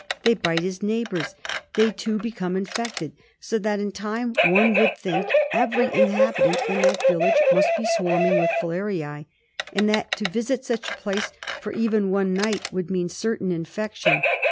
They bite his neighbours. They, too, become infected; so that in time one would think every inhabitant in that village must be swarming with filariae, and that to visit such a place for even one night would mean certain infection.